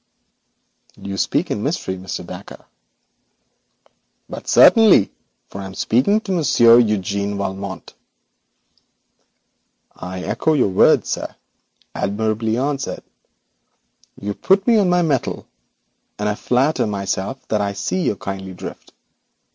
'You speak in mystery, Mr. Dacre.' 'But certainly, for I am speaking to Monsieur Eugène Valmont.' 'I echo your words, sir. Admirably answered. You put me on my mettle, and I flatter myself that I see your kindly drift.